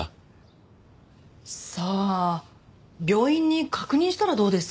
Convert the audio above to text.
さあ病院に確認したらどうですか？